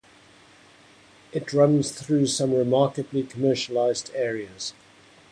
It runs through some remarkably commercialised areas.